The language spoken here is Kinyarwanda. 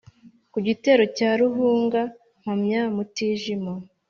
Ku gitero cya Ruhunga mpamya Mutijima.